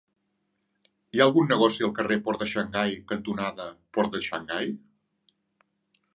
Hi ha algun negoci al carrer Port de Xangai cantonada Port de Xangai?